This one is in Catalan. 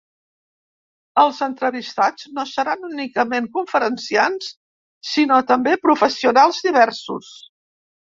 Els entrevistats no seran únicament conferenciants, sinó també professionals diversos.